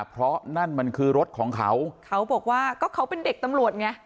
เพราะนั่นมันคือรถของเขาเขาบอกว่าก็เขาเป็นเด็กตำรวจไง